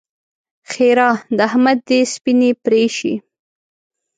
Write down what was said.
ښېرا: د احمد دې سپينې پرې شي!